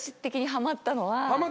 ハマったのは？